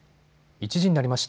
１時になりました。